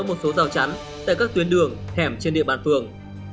một số rào chắn tại các tuyến đường hẻm trên địa bàn phường